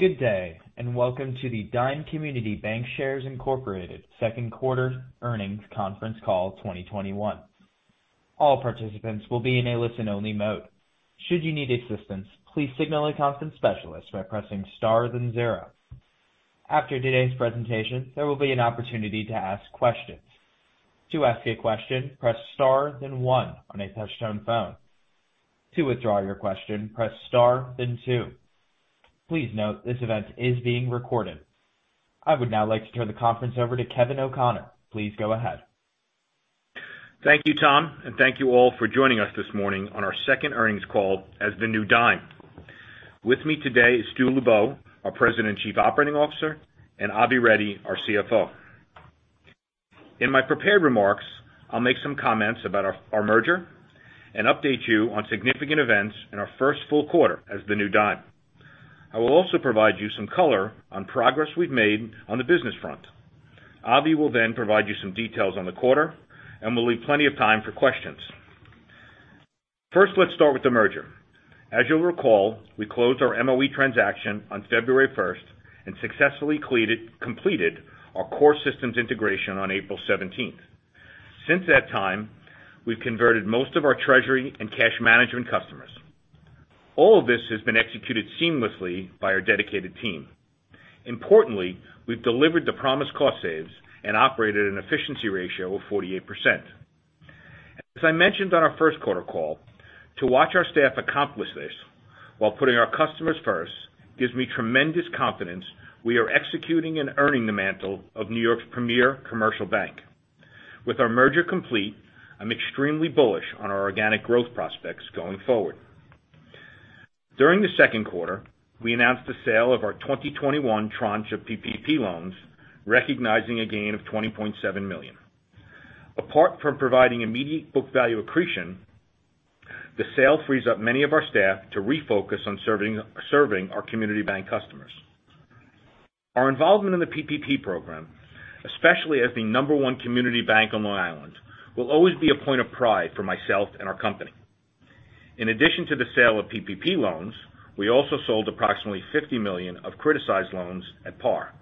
Welcome to the Dime Community Bancshares, Inc. second quarter earnings conference call 2021. All participants will be in a listen-only mode. Should you need assistance, please signal a conference specialist by pressing star then zero. After today's presentation, there will be an opportunity to ask questions. To ask a question, press star then one on a touch-tone phone. To withdraw your question, press star then two. Please note this event is being recorded. I would now like to turn the conference over to Kevin O'Connor. Please go ahead. Thank you, Tom, and thank you all for joining us this morning on our 2nd earnings call as the new Dime. With me today is Stuart Lubow, our President and Chief Operating Officer, and Avi Reddy, our CFO. In my prepared remarks, I'll make some comments about our merger and update you on significant events in our first full quarter as the new Dime. I will also provide you some color on progress we've made on the business front. Avi will then provide you some details on the quarter, and we'll leave plenty of time for questions. First, let's start with the merger. As you'll recall, we closed our MOE transaction on February 1st and successfully completed our core systems integration on April 17th. Since that time, we've converted most of our treasury and cash management customers. All of this has been executed seamlessly by our dedicated team. Importantly, we've delivered the promised cost saves and operated an efficiency ratio of 48%. As I mentioned on our first quarter call, to watch our staff accomplish this while putting our customers first gives me tremendous confidence we are executing and earning the mantle of New York's premier commercial bank. With our merger complete, I'm extremely bullish on our organic growth prospects going forward. During the second quarter, we announced the sale of our 2021 tranche of PPP loans, recognizing a gain of $20.7 million. Apart from providing immediate book value accretion, the sale frees up many of our staff to refocus on serving our community bank customers. Our involvement in the PPP program, especially as the number one community bank on Long Island, will always be a point of pride for myself and our company. In addition to the sale of PPP loans, we also sold approximately $50 million of criticized loans at par.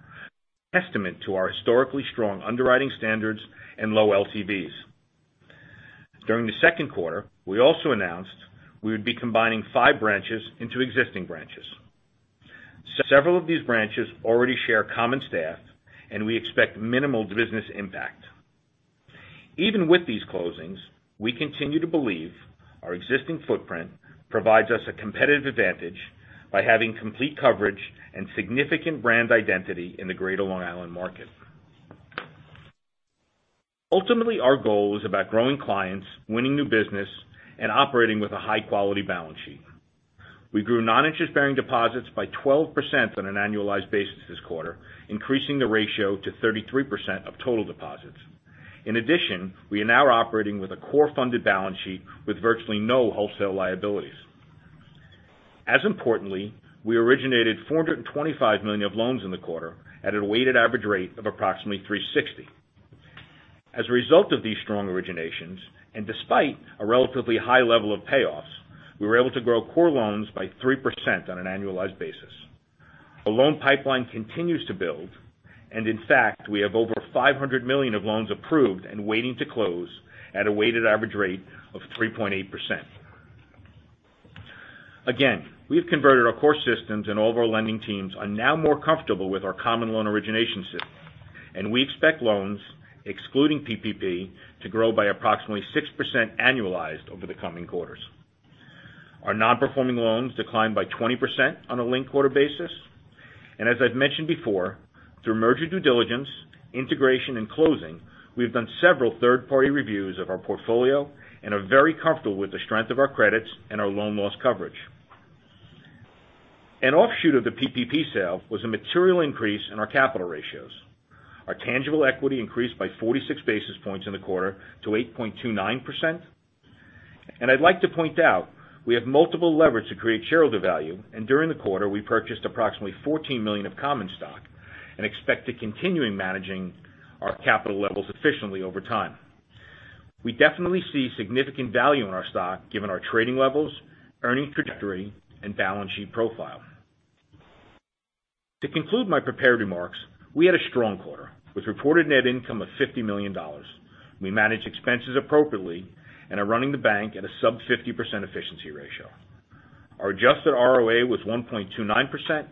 A testament to our historically strong underwriting standards and low LTVs. During the second quarter, we also announced we would be combining five branches into existing branches. Several of these branches already share common staff, and we expect minimal business impact. Even with these closings, we continue to believe our existing footprint provides us a competitive advantage by having complete coverage and significant brand identity in the greater Long Island market. Ultimately, our goal is about growing clients, winning new business, and operating with a high-quality balance sheet. We grew non-interest-bearing deposits by 12% on an annualized basis this quarter, increasing the ratio to 33% of total deposits. In addition, we are now operating with a core funded balance sheet with virtually no wholesale liabilities. As importantly, we originated $425 million of loans in the quarter at a weighted average rate of approximately 3.60%. As a result of these strong originations, and despite a relatively high level of payoffs, we were able to grow core loans by 3% on an annualized basis. The loan pipeline continues to build, and in fact, we have over $500 million of loans approved and waiting to close at a weighted average rate of 3.8%. Again, we've converted our core systems, and all of our lending teams are now more comfortable with our common loan origination system, and we expect loans, excluding PPP, to grow by approximately 6% annualized over the coming quarters. Our non-performing loans declined by 20% on a linked quarter basis. As I've mentioned before, through merger due diligence, integration, and closing, we've done several third-party reviews of our portfolio and are very comfortable with the strength of our credits and our loan loss coverage. An offshoot of the PPP sale was a material increase in our capital ratios. Our tangible equity increased by 46 basis points in the quarter to 8.29%. I'd like to point out we have multiple levers to create shareholder value, and during the quarter, we purchased approximately $14 million of common stock and expect to continuing managing our capital levels efficiently over time. We definitely see significant value in our stock given our trading levels, earning trajectory, and balance sheet profile. To conclude my prepared remarks, we had a strong quarter with reported net income of $50 million. We managed expenses appropriately and are running the bank at a sub 50% efficiency ratio. Our adjusted ROA was 1.29%,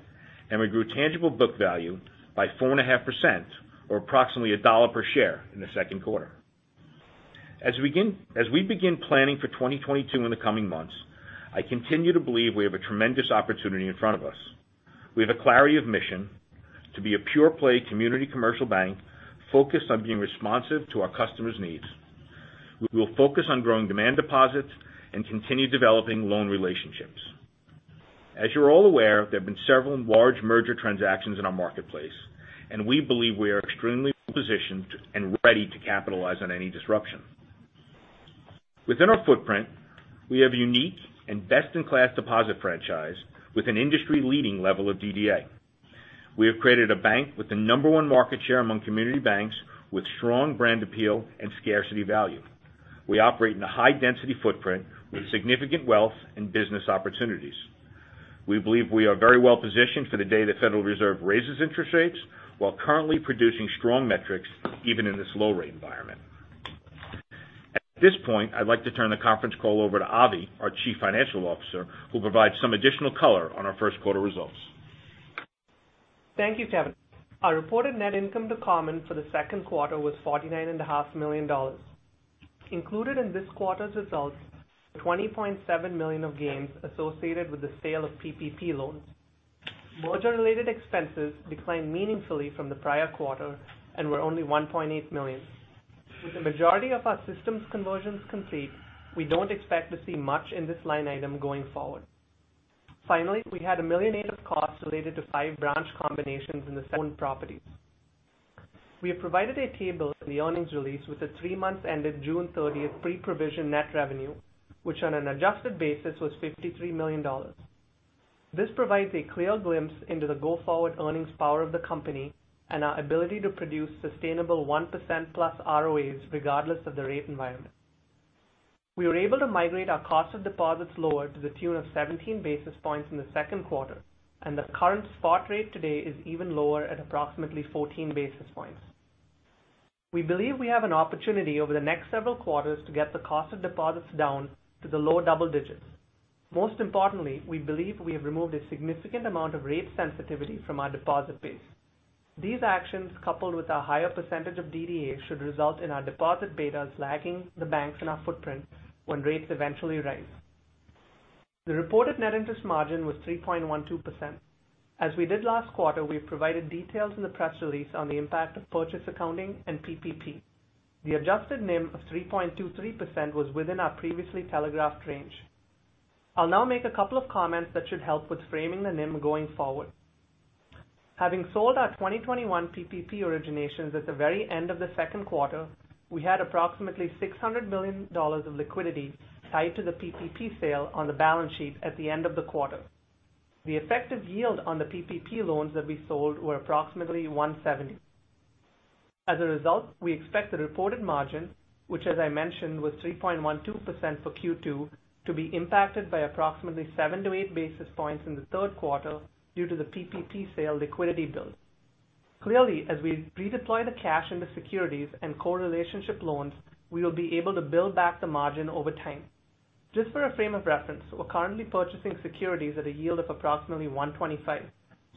and we grew tangible book value by 4.5% or approximately $1 per share in the second quarter. As we begin planning for 2022 in the coming months, I continue to believe we have a tremendous opportunity in front of us. We have a clarity of mission to be a pure play community commercial bank focused on being responsive to our customers' needs. We will focus on growing demand deposits and continue developing loan relationships. As you're all aware, there have been several large merger transactions in our marketplace, and we believe we are extremely well-positioned and ready to capitalize on any disruption. Within our footprint, we have a unique and best-in-class deposit franchise with an industry-leading level of DDA. We have created a bank with the number 1 market share among community banks with strong brand appeal and scarcity value. We operate in a high-density footprint with significant wealth and business opportunities. We believe we are very well positioned for the day that Federal Reserve raises interest rates while currently producing strong metrics even in this low rate environment. At this point, I'd like to turn the conference call over to Avi, our Chief Financial Officer, who'll provide some additional color on our first quarter results. Thank you, Kevin. Our reported net income to common for the second quarter was $49.5 million. Included in this quarter's results, $20.7 million of gains associated with the sale of PPP loans. Merger-related expenses declined meaningfully from the prior quarter and were only $1.8 million. With the majority of our systems conversions complete, we don't expect to see much in this line item going forward. Finally, we had $1.8 million of costs related to five branch combinations in the same properties. We have provided a table in the earnings release with the three months ended June 30th pre-provision net revenue, which on an adjusted basis was $53 million. This provides a clear glimpse into the go-forward earnings power of the company and our ability to produce sustainable 1%+ ROAs regardless of the rate environment. We were able to migrate our cost of deposits lower to the tune of 17 basis points in the second quarter, and the current spot rate today is even lower at approximately 14 basis points. We believe we have an opportunity over the next several quarters to get the cost of deposits down to the low double digits. Most importantly, we believe we have removed a significant amount of rate sensitivity from our deposit base. These actions, coupled with our higher percentage of DDA, should result in our deposit betas lagging the banks in our footprint when rates eventually rise. The reported net interest margin was 3.12%. As we did last quarter, we have provided details in the press release on the impact of purchase accounting and PPP. The adjusted NIM of 3.23% was within our previously telegraphed range. I'll now make a couple of comments that should help with framing the NIM going forward. Having sold our 2021 PPP originations at the very end of the second quarter, we had approximately $600 million of liquidity tied to the PPP sale on the balance sheet at the end of the quarter. The effective yield on the PPP loans that we sold were approximately 170. As a result, we expect the reported margin, which as I mentioned, was 3.12% for Q2, to be impacted by approximately seven to eight basis points in the third quarter due to the PPP sale liquidity build. Clearly, as we redeploy the cash into securities and core relationship loans, we will be able to build back the margin over time. Just for a frame of reference, we're currently purchasing securities at a yield of approximately 125.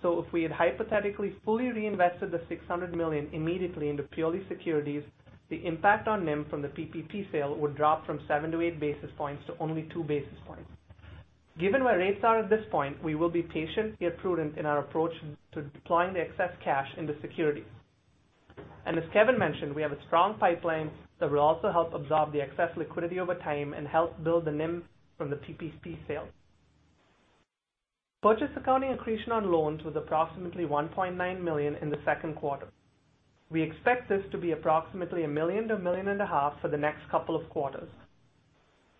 If we had hypothetically fully reinvested the $600 million immediately into purely securities, the impact on NIM from the PPP sale would drop from seven to eight basis points to only two basis points. Given where rates are at this point, we will be patient yet prudent in our approach to deploying the excess cash into securities. As Kevin mentioned, we have a strong pipeline that will also help absorb the excess liquidity over time and help build the NIM from the PPP sale. Purchase accounting accretion on loans was approximately $1.9 million in the second quarter. We expect this to be approximately $1 million to $1.5 million for the next couple of quarters.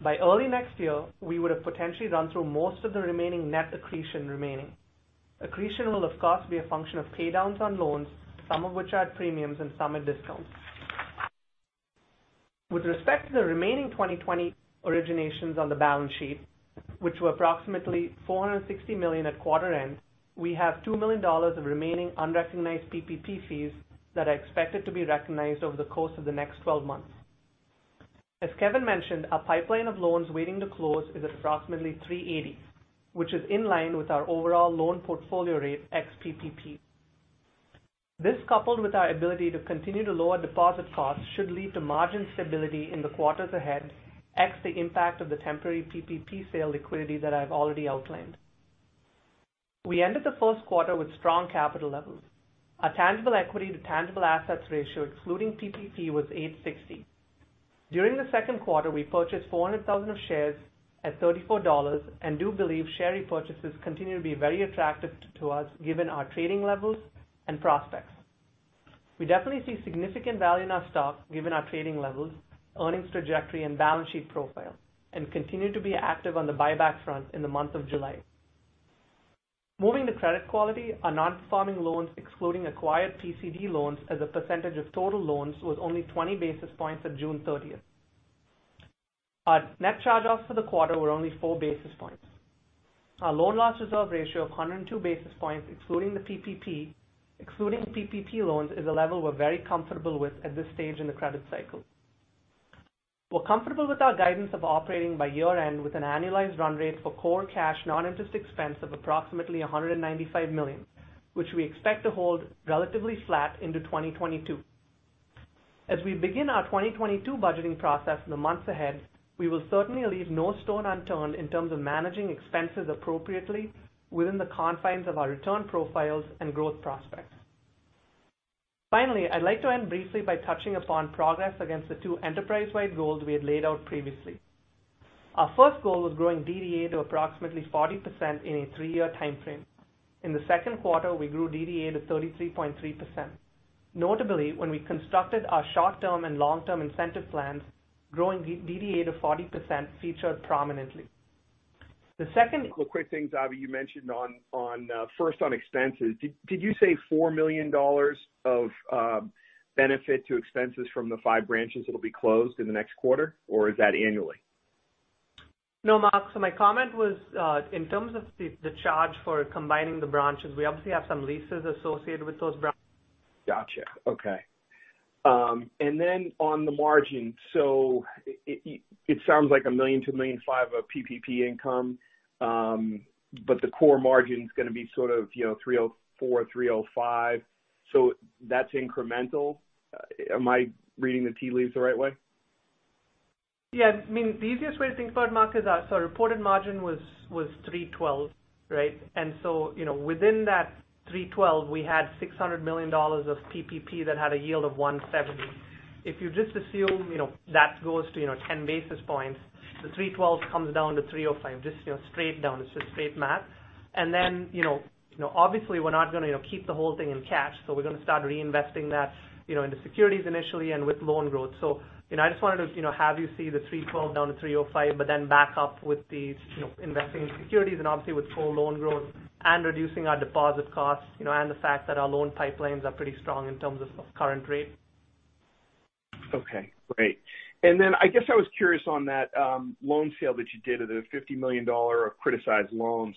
Early next year, we would have potentially run through most of the remaining net accretion remaining. Accretion will of course, be a function of paydowns on loans, some of which are at premiums and some at discounts. With respect to the remaining 2020 originations on the balance sheet, which were approximately $460 million at quarter end, we have $2 million of remaining unrecognized PPP fees that are expected to be recognized over the course of the next 12 months. As Kevin mentioned, our loan pipeline of loans waiting to close is approximately 380, which is in line with our overall loan portfolio rate ex PPP. This, coupled with our ability to continue to lower deposit costs should lead to margin stability in the quarters ahead ex the impact of the temporary PPP sale liquidity that I've already outlined. We ended the first quarter with strong capital levels. Our tangible equity to tangible assets ratio, excluding PPP, was 860. During the second quarter, we purchased 400,000 of shares at $34 and do believe share repurchases continue to be very attractive to us given our trading levels and prospects. We definitely see significant value in our stock given our trading levels, earnings trajectory, and balance sheet profile, and continue to be active on the buyback front in the month of July. Moving to credit quality, our non-performing loans excluding acquired PCD loans as a percentage of total loans was only 20 basis points at June 30th. Our net charge-offs for the quarter were only four basis points. Our loan loss reserve ratio of 102 basis points, excluding the PPP loans, is a level we're very comfortable with at this stage in the credit cycle. We're comfortable with our guidance of operating by year-end with an annualized run rate for core cash non-interest expense of approximately $195 million, which we expect to hold relatively flat into 2022. As we begin our 2022 budgeting process in the months ahead, we will certainly leave no stone unturned in terms of managing expenses appropriately within the confines of our return profiles and growth prospects. Finally, I'd like to end briefly by touching upon progress against the two enterprise-wide goals we had laid out previously. Our first goal was growing DDA to approximately 40% in a three-year timeframe. In the second quarter, we grew DDA to 33.3%. Notably, when we constructed our short-term and long-term incentive plans, growing DDA to 40% featured prominently. The second - A quick thing, Avi, you mentioned first on expenses. Did you say $4 million of benefit to expenses from the five branches that'll be closed in the next quarter, or is that annually? No, Mark. My comment was, in terms of the charge for combining the branches, we obviously have some leases associated with those branches. Got you. Okay. On the margin. It sounds like $1 million-$1.5 million of PPP income. The core margin's going to be 3.04%-3.05%. That's incremental. Am I reading the tea leaves the right way? Yeah. The easiest way to think about it, Mark, is our reported margin was 312. Right? Within that 312, we had $600 million of PPP that had a yield of 170. If you just assume that goes to 10 basis points, the 312 comes down to 305. Just straight down. It's just straight math. Obviously we're not going to keep the whole thing in cash. We're going to start reinvesting that into securities initially and with loan growth. I just wanted to have you see the 312 down to 305, then back up with the investing in securities and obviously with full loan growth and reducing our deposit costs, and the fact that our loan pipelines are pretty strong in terms of current rate. Okay, great. I guess I was curious on that loan sale that you did of the $50 million of criticized loans.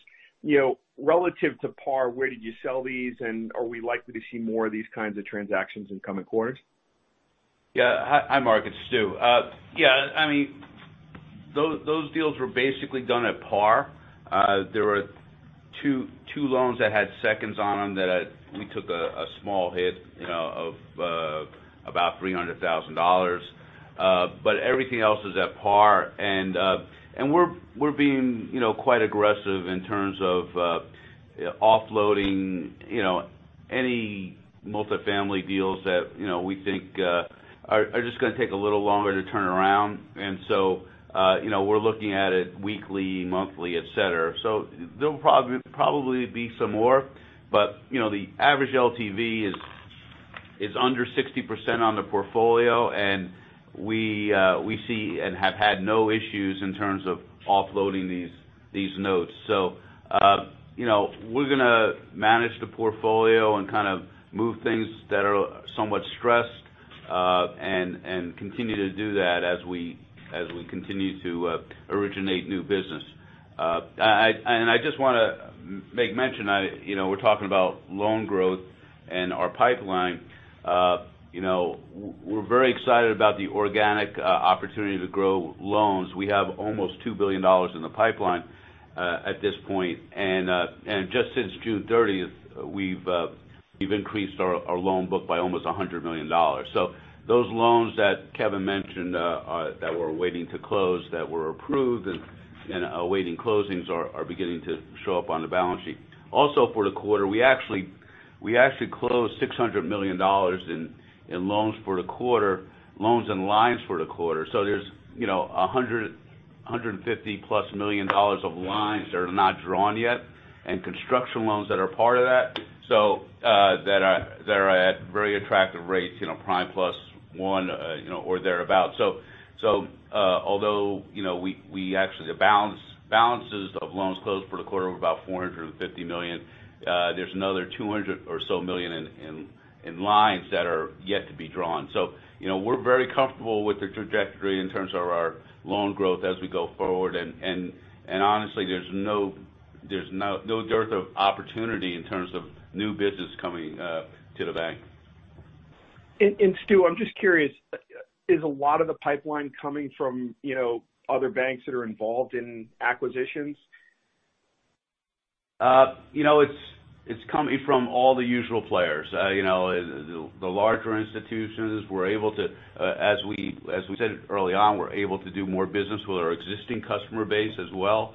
Relative to par, where did you sell these, and are we likely to see more of these kinds of transactions in coming quarters? Yeah. Hi, Mark. It's Stu. Yeah. Those deals were basically done at par. There were two loans that had seconds on them that we took a small hit of about $300,000. Everything else is at par. We're being quite aggressive in terms of offloading any multifamily deals that we think are just going to take a little longer to turn around. We're looking at it weekly, monthly, et cetera. There'll probably be some more, but the average LTV is under 60% on the portfolio, and we see and have had no issues in terms of offloading these notes. We're going to manage the portfolio and move things that are somewhat stressed, and continue to do that as we continue to originate new business. I just want to make mention, we're talking about loan growth and our loan pipeline. We're very excited about the organic opportunity to grow loans. We have almost $2 billion in the pipeline at this point. Just since June 30th, we've increased our loan book by almost $100 million. Those loans that Kevin mentioned that we're waiting to close, that were approved and awaiting closings are beginning to show up on the balance sheet. Also for the quarter, we actually closed $600 million in loans for the quarter, loans and lines for the quarter. There's $150+ million of lines that are not drawn yet, and construction loans that are part of that are at very attractive rates, prime +1 or thereabout. Although the balances of loans closed for the quarter were about $450 million, there's another $200 or so million in lines that are yet to be drawn. We're very comfortable with the trajectory in terms of our loan growth as we go forward. Honestly, there's no dearth of opportunity in terms of new business coming to the bank. Stu, I'm just curious. Is a lot of the pipeline coming from other banks that are involved in acquisitions? It's coming from all the usual players. The larger institutions. As we said early on, we're able to do more business with our existing customer base as well.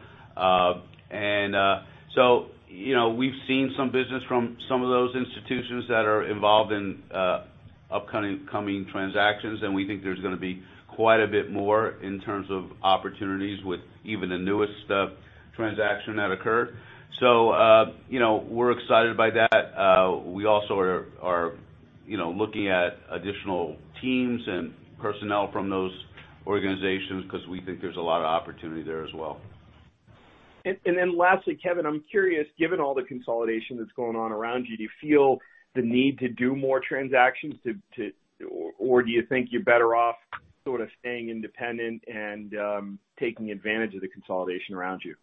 We've seen some business from some of those institutions that are involved in upcoming transactions, and we think there's going to be quite a bit more in terms of opportunities with even the newest transaction that occurred. We're excited by that. We also are looking at additional teams and personnel from those organizations because we think there's a lot of opportunity there as well. Lastly, Kevin, I'm curious, given all the consolidation that's going on around you, do you feel the need to do more transactions, or do you think you're better off staying independent and taking advantage of the consolidation around you?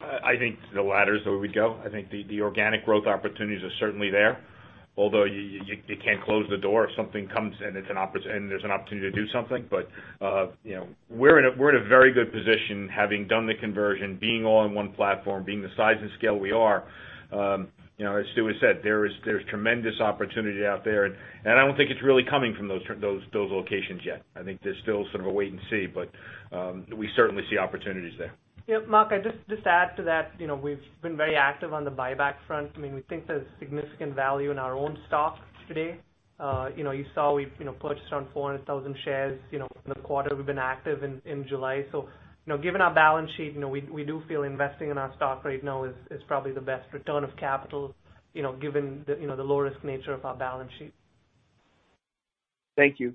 I think the latter is the way we go. I think the organic growth opportunities are certainly there. You can't close the door if something comes and there's an opportunity to do something. We're in a very good position having done the conversion, being all on one platform, being the size and scale we are. As Stu has said, there's tremendous opportunity out there. I don't think it's really coming from those locations yet. I think there's still sort of a wait and see. We certainly see opportunities there. Yeah. Mark, I'd just add to that. We've been very active on the buyback front. We think there's significant value in our own stock today. You saw we purchased around 400,000 shares in the quarter. We've been active in July. So given our balance sheet, we do feel investing in our stock right now is probably the best return of capital given the low-risk nature of our balance sheet. Thank you.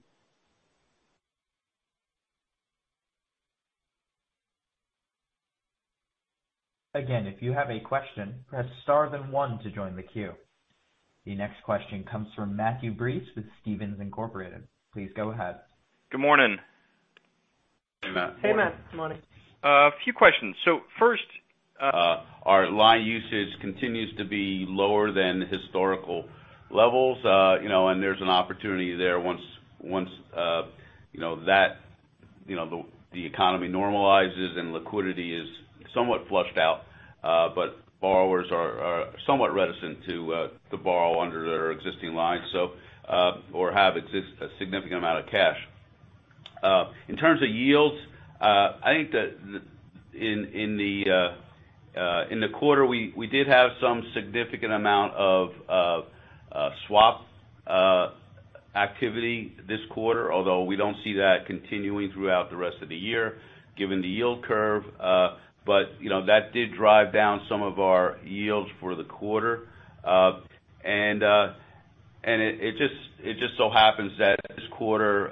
If you have a question, press star then one to join the queue. The next question comes from Matthew Breese with Stephens Incorporated. Please go ahead. Good morning. Hey, Matt. Hey, Matt. Good morning. A few questions so first, Our line usage continues to be lower than historical levels. There's an opportunity there once the economy normalizes and liquidity is somewhat flushed out. Borrowers are somewhat reticent to borrow under their existing lines or have a significant amount of cash. In terms of yields, I think that in the quarter, we did have some significant amount of swap activity this quarter, although we don't see that continuing throughout the rest of the year given the yield curve. That did drive down some of our yields for the quarter. It just so happens that this quarter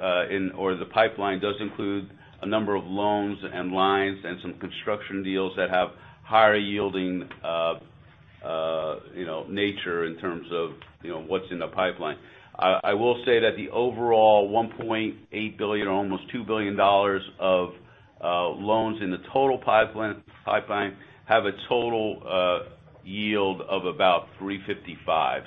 or the pipeline does include a number of loans and lines and some construction deals that have higher yielding nature in terms of what's in the pipeline. I will say that the overall $1.8 billion or almost $2 billion of loans in the total pipeline have a total yield of about 355.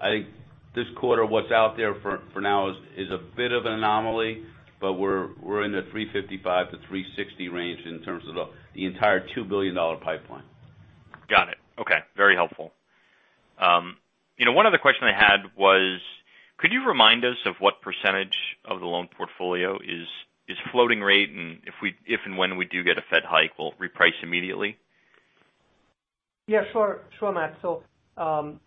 I think this quarter, what's out there for now is a bit of an anomaly, but we're in the 355-360 range in terms of the entire $2 billion pipeline. Got it. Okay. Very helpful. One other question I had was, could you remind us of what % of the loan portfolio is floating rate and if and when we do get a Fed hike will reprice immediately? Yeah, sure, Matt. 25%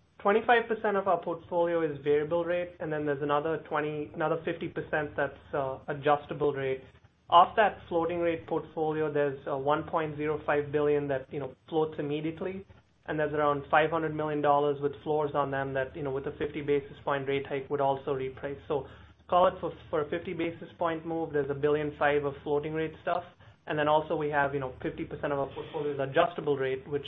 of our portfolio is variable rate, and then there's another 50% that's adjustable rate. Of that floating rate portfolio, there's $1.05 billion that floats immediately, and there's around $500 million with floors on them that with a 50 basis point rate hike would also reprice. Call it for a 50 basis point move, there's $1.5 billion of floating rate stuff. Also we have 50% of our portfolio is adjustable rate, which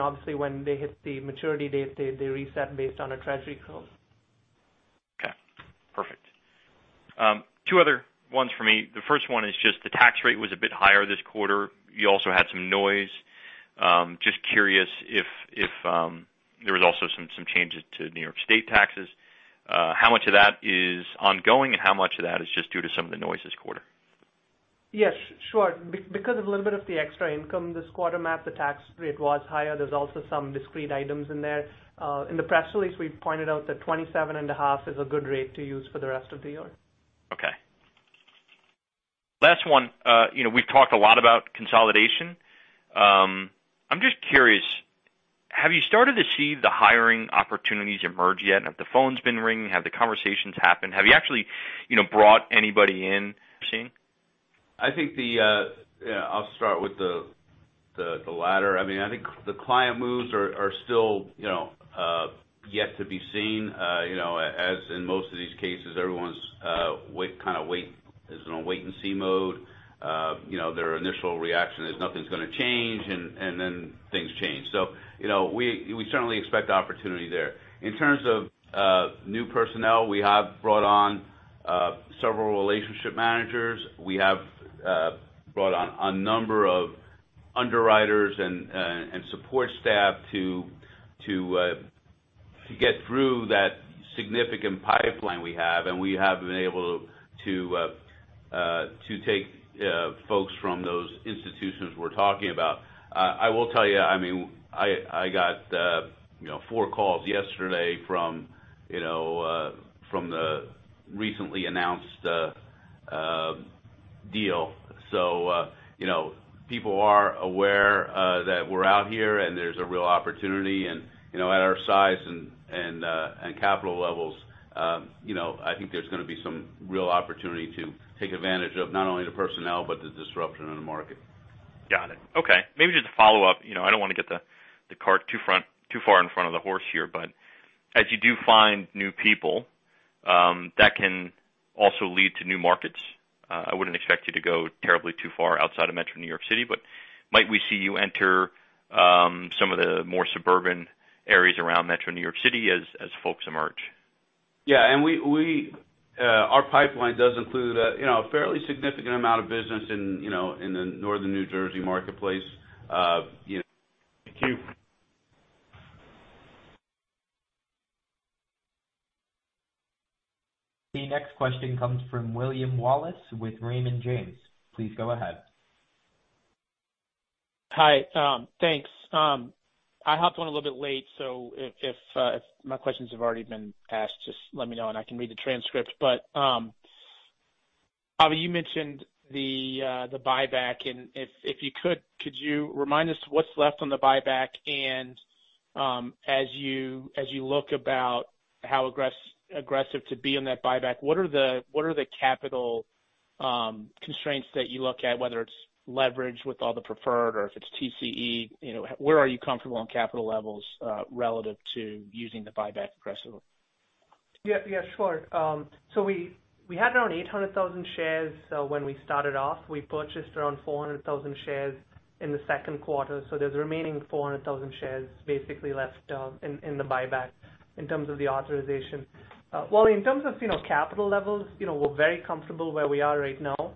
obviously when they hit the maturity date, they reset based on a Treasury curve. Okay, perfect. Two other ones for me. The first one is just the tax rate was a bit higher this quarter. You also had some noise. Just curious if there was also some changes to New York state taxes. How much of that is ongoing and how much of that is just due to some of the noise this quarter? Yeah, sure. Because of a little bit of the extra income this quarter, Matt, the tax rate was higher. There's also some discrete items in there. In the press release, we pointed out that 27.5% is a good rate to use for the rest of the year. Okay. Last one. We've talked a lot about consolidation. I'm just curious, have you started to see the hiring opportunities emerge yet? Have the phones been ringing? Have the conversations happened? Have you actually brought anybody in? I'll start with the latter. I think the client moves are still yet to be seen. As in most of these cases, everyone's is in a wait and see mode. Their initial reaction is nothing's going to change, and then things change. We certainly expect opportunity there. In terms of new personnel, we have brought on several relationship managers. We have brought on a number of underwriters and support staff to get through that significant loan pipeline we have, and we have been able to take folks from those institutions we're talking about. I will tell you, I got four calls yesterday from the recently announced deal. People are aware that we're out here and there's a real opportunity. At our size and capital levels, I think there's going to be some real opportunity to take advantage of not only the personnel but the disruption in the market. Got it. Okay. Maybe just a follow up. I don't want to get the cart too far in front of the horse here. As you do find new people, that can also lead to new markets. I wouldn't expect you to go terribly too far outside of Metro New York City. Might we see you enter some of the more suburban areas around Metro New York City as folks emerge? Yeah. Our pipeline does include a fairly significant amount of business in the Northern New Jersey marketplace. Thank you. The next question comes from William Wallace with Raymond James. Please go ahead. Hi. Thanks. I hopped on a little bit late, so if my questions have already been asked, just let me know and I can read the transcript. Avi, you mentioned the buyback, and if you could you remind us what's left on the buyback? As you look about how aggressive to be on that buyback, what are the capital constraints that you look at, whether it's leverage with all the preferred or if it's TCE, where are you comfortable on capital levels relative to using the buyback threshold? Yeah. Sure. We had around 800,000 shares when we started off. We purchased around 400,000 shares in the second quarter. There's remaining 400,000 shares basically left in the buyback in terms of the authorization. Well, in terms of capital levels, we're very comfortable where we are right now.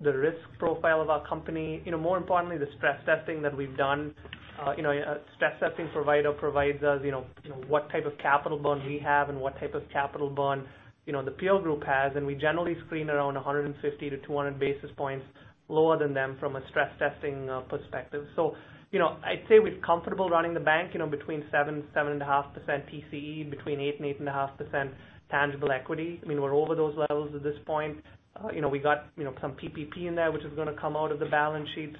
The risk profile of our company, more importantly, the stress testing that we've done, stress testing provider provides us what type of capital burn we have and what type of capital burn the peer group has, and we generally screen around 150-200 basis points lower than them from a stress testing perspective. I'd say we're comfortable running the bank between 7%-7.5% TCE, between 8%-8.5% tangible equity. I mean, we're over those levels at this point. We got some PPP in there, which is going to come out of the balance sheet.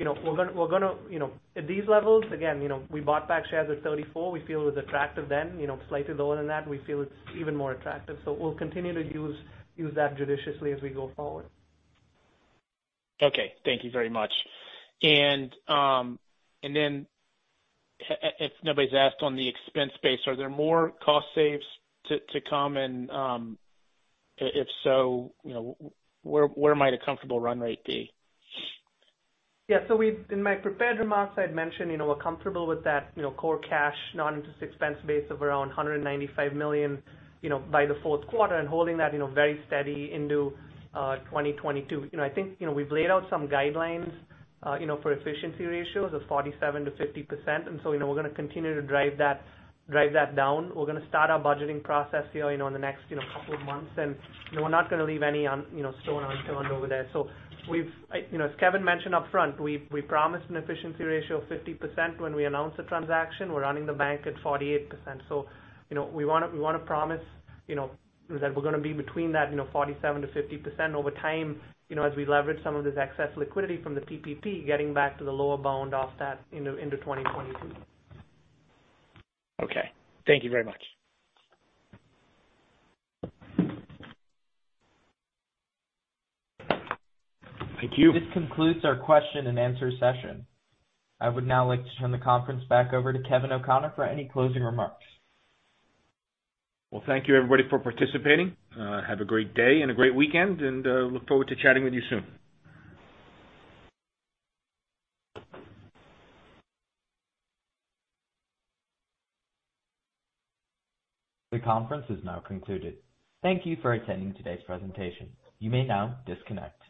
At these levels, again, we bought back shares at $34. We feel it was attractive then. Slightly lower than that, we feel it's even more attractive. We'll continue to use that judiciously as we go forward. Okay. Thank you very much. If nobody's asked on the expense base, are there more cost saves to come? If so, where might a comfortable run rate be? Yeah. In my prepared remarks, I'd mentioned we're comfortable with that core cash non-interest expense base of around $195 million, by the fourth quarter, and holding that very steady into 2022. I think we've laid out some guidelines for efficiency ratios of 47%-50%. We're going to continue to drive that down. We're going to start our budgeting process here in the next couple of months, and we're not going to leave any stone unturned over there. As Kevin mentioned upfront, we promised an efficiency ratio of 50% when we announced the transaction. We're running the bank at 48%. We want to promise that we're going to be between that 47%-50% over time as we leverage some of this excess liquidity from the PPP, getting back to the lower bound of that into 2022. Okay. Thank you very much. Thank you. This concludes our question-and-answer session. I would now like to turn the conference back over to Kevin O'Connor for any closing remarks. Well, thank you everybody for participating. Have a great day and a great weekend, and look forward to chatting with you soon. The conference is now concluded. Thank you for attending today's presentation. You may now disconnect.